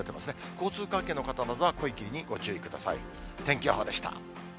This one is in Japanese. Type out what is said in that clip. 交通関係の方などは濃い霧にご注意ください。